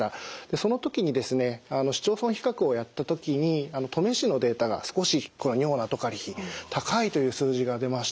その時にですね市町村比較をやった時に登米市のデータが少し尿ナトカリ比高いという数字が出ました。